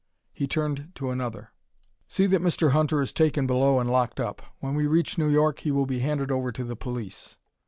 He turned to another. "See that Mr. Hunter is taken below and locked up. When we reach New York, he will be handed over to the police."